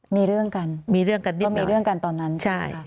มีเรื่องกันมีเรื่องกันด้วยมีเรื่องกันตอนนั้นใช่ค่ะ